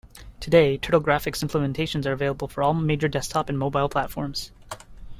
Today, Turtle graphics implementations are available for all major desktop and mobile platforms.